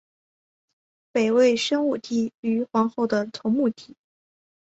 北魏宣武帝于皇后的同母弟。